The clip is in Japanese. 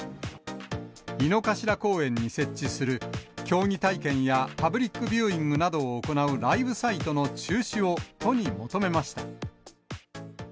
井の頭公園に設置する競技体験やパブリックビューイングなどを行うライブサイトの中止を、都に求めました。